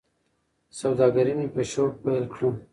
سوداګري مې په شوق پیل کړه.